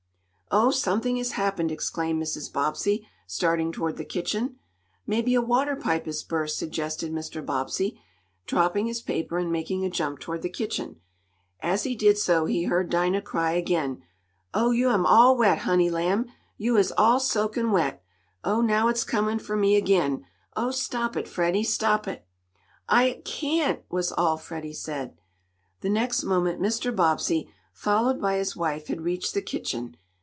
"Oh! Something has happened!" exclaimed Mrs. Bobbsey, starting toward the kitchen. "Maybe a water pipe has burst," suggested Mr. Bobbsey, dropping his paper and making a jump toward the kitchen. As he did so, he heard Dinah cry again: "Oh, yo' am all wet, honey lamb! Yo' is all soakin' wet! Oh, now it's comin' fo' me ag'in! Oh, stop it, Freddie! Stop it!" "I I can't!" was all Freddie said. The next moment Mr. Bobbsey, followed by his wife, had reached the kitchen.